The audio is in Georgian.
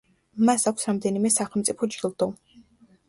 მას აქვს რამდენიმე სახელმწიფო ჯილდო.